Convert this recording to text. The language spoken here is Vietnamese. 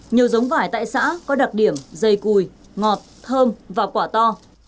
nhiều giống vải tại xã có đặc điểm dày cùi ngọt thơm và quả to